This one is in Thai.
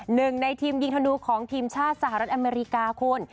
หนึ่งในทีมยิงธนูของทีมชาติสหรัฐอเมริกาคุณ